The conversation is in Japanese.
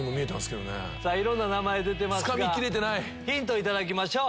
いろんな名前出てますがヒント頂きましょう。